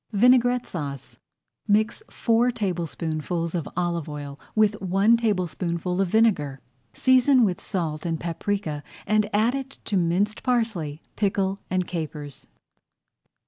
VINAIGRETTE SAUCE Mix four tablespoonfuls of olive oil with one tablespoonful of vinegar. Season with salt and paprika and add to it minced parsley, pickle, and capers.